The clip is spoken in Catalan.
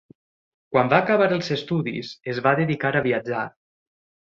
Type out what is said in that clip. Quan va acabar els estudis es va dedicar a viatjar.